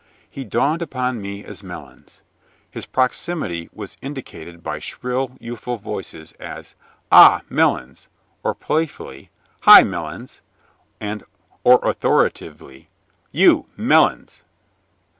He dawned upon me as Melons. His proximity was indicated by shrill, youthful voices, as "Ah, Melons!" or playfully, "Hi, Melons!" or authoritatively, "You Melons!"